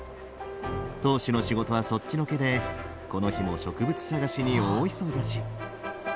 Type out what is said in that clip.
当主の仕事はそっちのけでこの日も植物探しに大忙し。